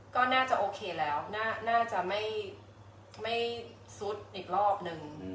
ก็น่าจะโอเคแล้วน่าจะไม่ซุดอีกรอบนึง